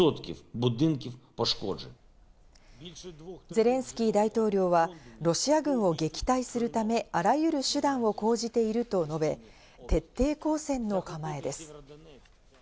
ゼレンスキー大統領はロシア軍を撃退するため、あらゆる手段を講じていると述べ、徹底抗戦の構えです。